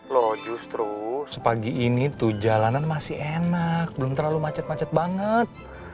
loh justru sepagi ini tuh jalanan masih enak belum terlalu macet macet banget